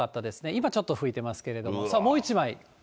今ちょっと吹いてますけれども、もう１枚。